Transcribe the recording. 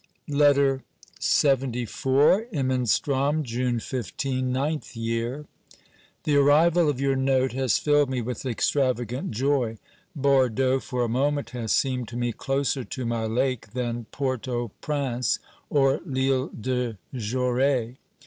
LETTER LXXIV lMENSTR6M,y««£ 15 {Ninth Year). The arrival of your note has filled me with extravagant joy. Bordeaux for a moment has seemed to me closer to my lake than Port au Prince or L'lle de Goree.